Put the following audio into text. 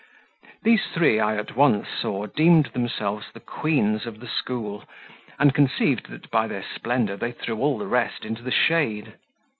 These three, I at once saw, deemed themselves the queens of the school, and conceived that by their splendour they threw all the rest into the shade.